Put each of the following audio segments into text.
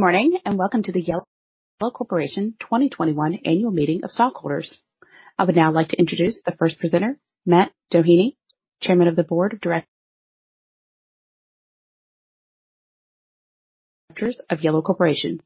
Good morning. Welcome to the Yellow Corporation 2021 Annual Meeting of Stockholders. I would now like to introduce the first presenter, Matt Doheny, Chairman of the Board of Directors of Yellow Corporation.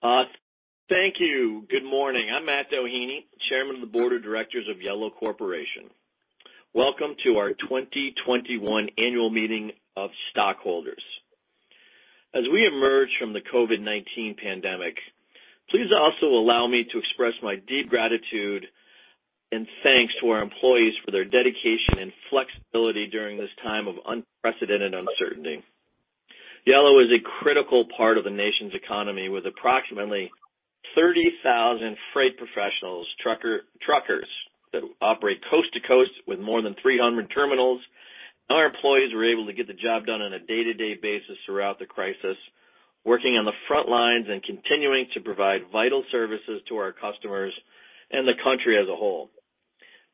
Thank you. Good morning. I'm Matt Doheny, Chairman of the Board of Directors of Yellow Corporation. Welcome to our 2021 annual meeting of stockholders. As we emerge from the COVID-19 pandemic, please also allow me to express my deep gratitude and thanks to our employees for their dedication and flexibility during this time of unprecedented uncertainty. Yellow is a critical part of the nation's economy, with approximately 30,000 freight professionals, truckers that operate coast to coast with more than 300 terminals. Our employees were able to get the job done on a day-to-day basis throughout the crisis, working on the front lines and continuing to provide vital services to our customers and the country as a whole.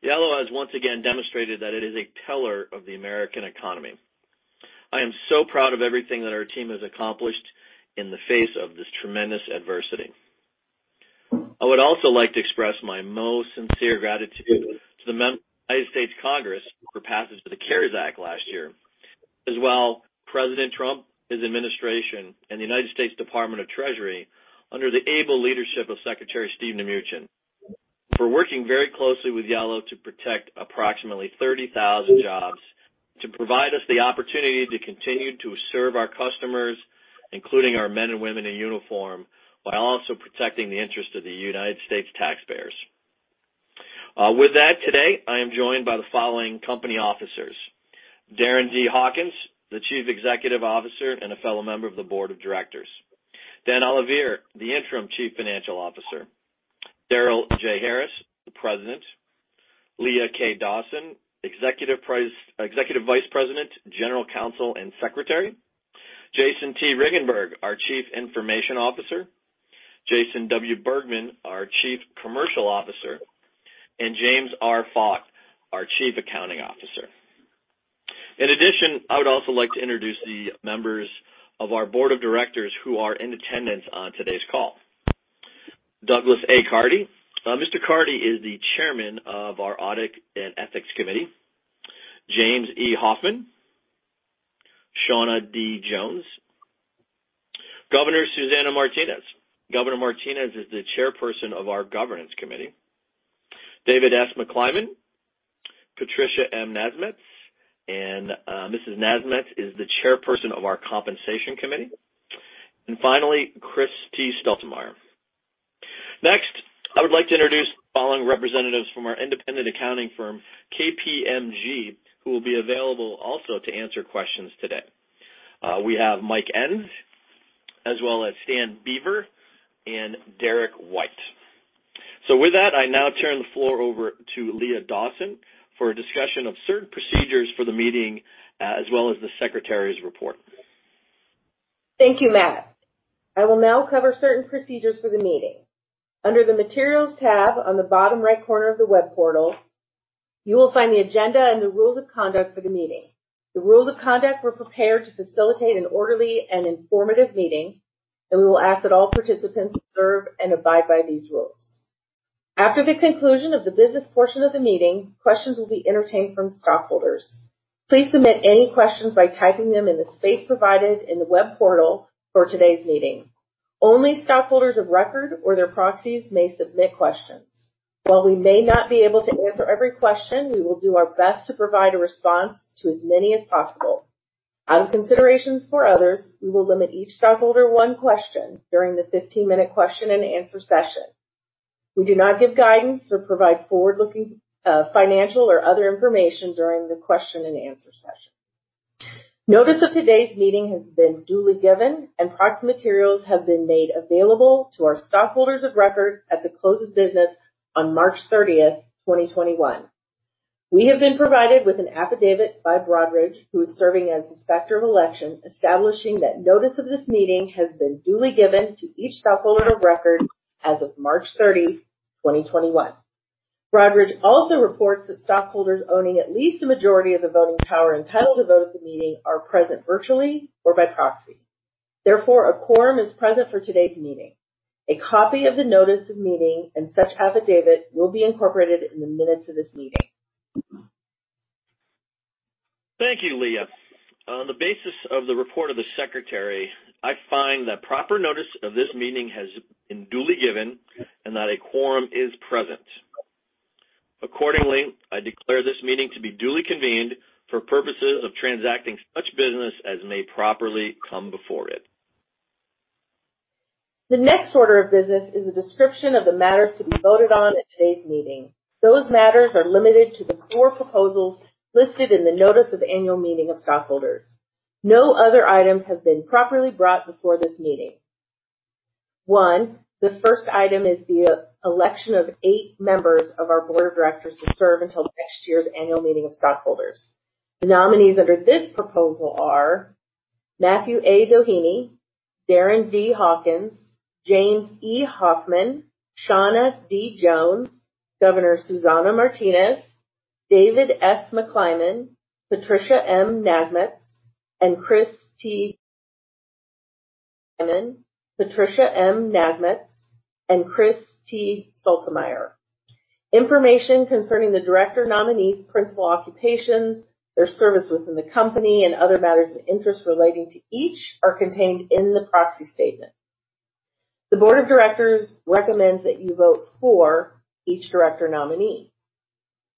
Yellow has once again demonstrated that it is a pillar of the American economy. I am so proud of everything that our team has accomplished in the face of this tremendous adversity. I would also like to express my most sincere gratitude to the members of the United States Congress for passage of the CARES Act last year, as well President Trump, his administration, and the United States Department of the Treasury, under the able leadership of Secretary Steven Mnuchin, for working very closely with Yellow to protect approximately 30,000 jobs, to provide us the opportunity to continue to serve our customers, including our men and women in uniform, while also protecting the interest of the United States taxpayers. With that today, I am joined by the following company officers: Darren D. Hawkins, the Chief Executive Officer and a fellow member of the Board of Directors. Dan Olivier, the Interim Chief Financial Officer. Darrel J. Harris, the President. Leah K. Dawson, Executive Vice President, General Counsel and Secretary. Jason T. Ringgenberg, our Chief Information Officer. Jason W. Bergman, our Chief Commercial Officer, and James R. Faught, our Chief Accounting Officer. I would also like to introduce the members of our board of directors who are in attendance on today's call. Douglas A. Carty. Mr. Carty is the chairman of our Audit and Ethics Committee. James E. Hoffman. Shaunna D. Jones. Governor Susana Martinez. Governor Martinez is the chairperson of our Governance Committee. David S. McClimon. Patricia M. Nazemetz. Mrs. Nazemetz is the chairperson of our Compensation Committee. Finally, Chris T. Sultemeier. Next, I would like to introduce the following representatives from our independent accounting firm, KPMG, who will be available also to answer questions today. We have Mike Ends, as well as Stan Beaver and Derek White. With that, I now turn the floor over to Leah Dawson for a discussion of certain procedures for the meeting, as well as the Secretary's Report. Thank you, Matt. I will now cover certain procedures for the meeting. Under the Materials tab on the bottom right corner of the web portal, you will find the agenda and the rules of conduct for the meeting. The rules of conduct were prepared to facilitate an orderly and informative meeting, and we will ask that all participants observe and abide by these rules. After the conclusion of the business portion of the meeting, questions will be entertained from stockholders. Please submit any questions by typing them in the space provided in the web portal for today's meeting. Only stockholders of record or their proxies may submit questions. While we may not be able to answer every question, we will do our best to provide a response to as many as possible. Out of considerations for others, we will limit each stockholder one question during the 15-minute question and answer session. We do not give guidance or provide forward-looking financial or other information during the question and answer session. Notice of today's meeting has been duly given, and proxy materials have been made available to our stockholders of record at the close of business on March 30th, 2021. We have been provided with an affidavit by Broadridge, who is serving as inspector of election, establishing that notice of this meeting has been duly given to each stockholder of record as of March 30, 2021. Broadridge also reports that stockholders owning at least the majority of the voting power entitled to vote at the meeting are present virtually or by proxy. Therefore, a quorum is present for today's meeting. A copy of the notice of meeting and such affidavit will be incorporated in the minutes of this meeting. Thank you, Leah. On the basis of the report of the Secretary, I find that proper notice of this meeting has been duly given and that a quorum is present. Accordingly, I declare this meeting to be duly convened for purposes of transacting such business as may properly come before it. The next order of business is a description of the matters to be voted on at today's meeting. Those matters are limited to the four proposals listed in the notice of annual meeting of stockholders. No other items have been properly brought before this meeting. One, the first item is the election of eight members of our board of directors to serve until next year's annual meeting of stockholders. The nominees under this proposal are Matthew A. Doheny, Darren D. Hawkins, James E. Hoffman, Shaunna D. Jones, Governor Susana Martinez, David S. McClimon, Patricia M. Nazemetz, and Chris T. Sultemeier. Information concerning the director nominees' principal occupations, their service within the company, and other matters of interest relating to each are contained in the proxy statement. The board of directors recommends that you vote for each director nominee.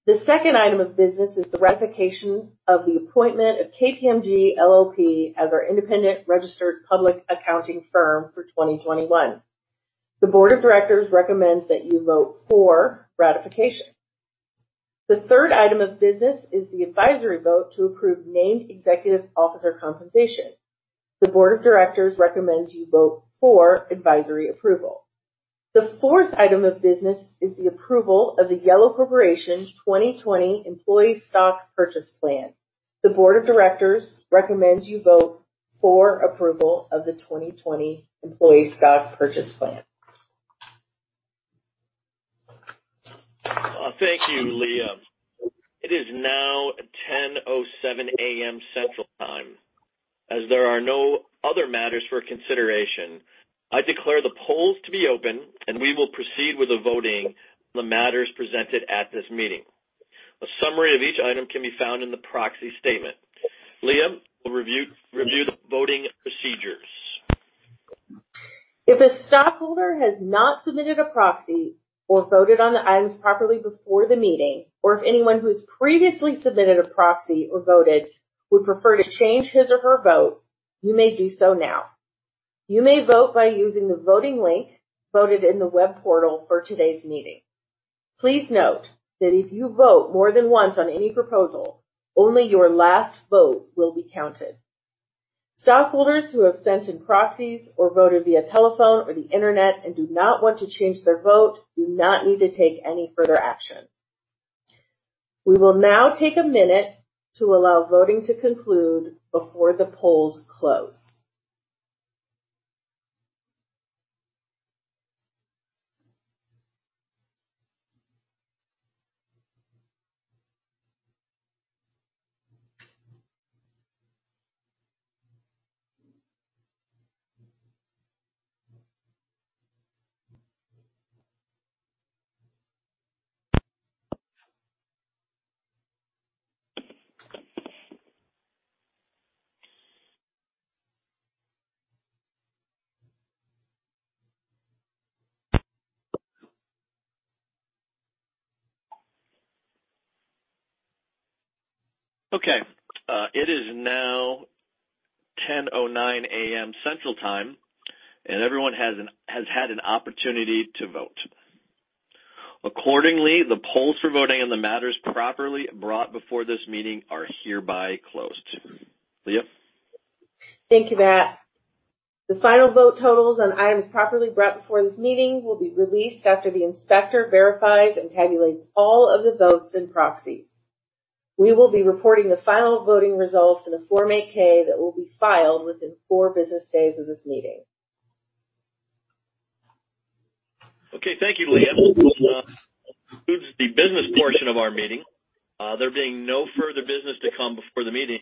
The second item of business is the ratification of the appointment of KPMG LLP as our independent registered public accounting firm for 2021. The board of directors recommends that you vote for ratification. The third item of business is the advisory vote to approve named executive officer compensation. The board of directors recommends you vote for advisory approval. The fourth item of business is the approval of the Yellow Corporation 2020 Employee Stock Purchase Plan. The board of directors recommends you vote for approval of the 2020 Employee Stock Purchase Plan. Thank you, Leah. It is now 10:07 A.M. Central Time. As there are no other matters for consideration, I declare the polls to be open, and we will proceed with the voting on the matters presented at this meeting. A summary of each item can be found in the proxy statement. Leah will review the voting procedures. If a stockholder has not submitted a proxy or voted on the items properly before the meeting, or if anyone who has previously submitted a proxy or voted would prefer to change his or her vote, you may do so now. You may vote by using the voting link provided in the web portal for today's meeting. Please note that if you vote more than once on any proposal, only your last vote will be counted. Stockholders who have sent in proxies or voted via telephone or the internet and do not want to change their vote do not need to take any further action. We will now take a minute to allow voting to conclude before the polls close. Okay. It is now 10:09 A.M. Central Time. Everyone has had an opportunity to vote. Accordingly, the polls for voting on the matters properly brought before this meeting are hereby closed. Leah. Thank you, Matt. The final vote totals on items properly brought before this meeting will be released after the inspector verifies and tabulates all of the votes and proxies. We will be reporting the final voting results in a Form 8-K that will be filed within four business days of this meeting. Thank you, Leah. That concludes the business portion of our meeting. There being no further business to come before the meeting,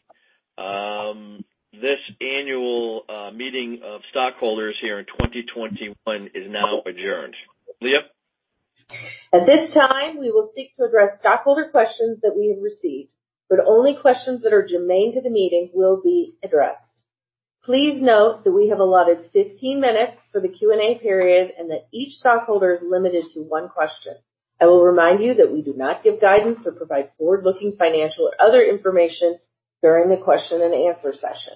this annual meeting of stockholders here in 2021 is now adjourned. Leah. At this time, we will seek to address stockholder questions that we have received, but only questions that are germane to the meeting will be addressed. Please note that we have allotted 15 minutes for the Q&A period, and that each stockholder is limited to one question. I will remind you that we do not give guidance or provide forward-looking financial or other information during the question and answer session.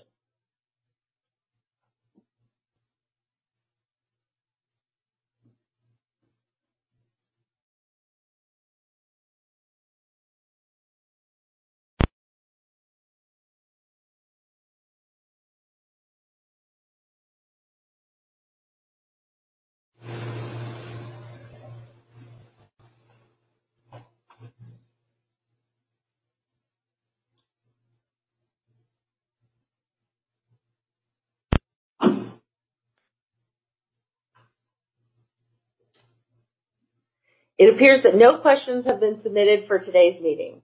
It appears that no questions have been submitted for today's meeting.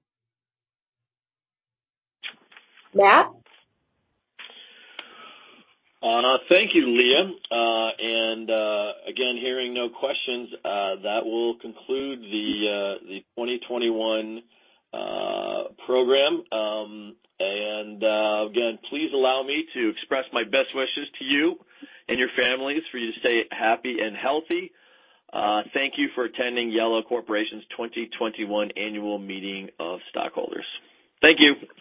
Matt? Thank you, Leah. Hearing no questions, that will conclude the 2021 program. Please allow me to express my best wishes to you and your families for you to stay happy and healthy. Thank you for attending Yellow Corporation's 2021 Annual Meeting of Stockholders. Thank you.